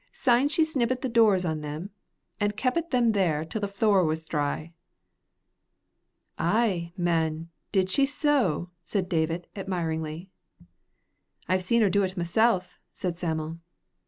Syne she snibbit the doors on them, an' keepit them there till the floor was dry." "Ay, man, did she so?" said Davit, admiringly. "I've seen her do't myself," said Sam'l.